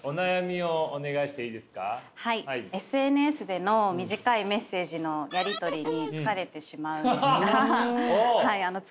ＳＮＳでの短いメッセージのやり取りに疲れてしまうんです。